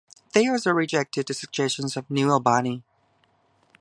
They also rejected the suggestion of 'New Albany'.